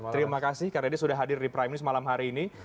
terima kasih kang deddy sudah hadir di prime news malam hari ini